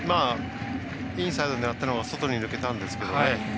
インサイド狙ったのが外に抜けたんですけどね。